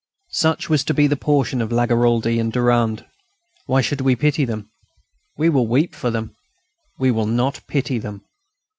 Such was to be the portion of Lagaraldi and Durand. Why should we pity them? We will weep for them, we will not pity them.